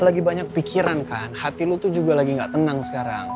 lagi banyak pikiran kan hati lu tuh juga lagi gak tenang sekarang